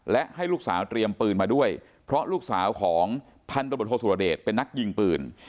และให้ลูกสาวเตรียมปืนมาด้วยเพราะลูกสาวของพันธบทโทสุรเดชเป็นนักยิงปืน